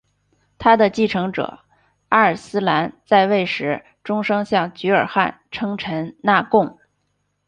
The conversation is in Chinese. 他的继承者阿尔斯兰在位时终生向菊儿汗称臣纳贡。